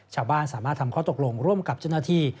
สามารถทำข้อตกลงร่วมกับเจ้าหน้าที่